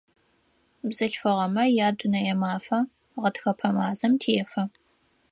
Бзылъфыгъэмэ я Дунэе мафэ гъэтхэпэ мазэм тефэ.